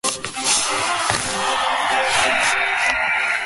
The current name is the sixth for the "Daily News".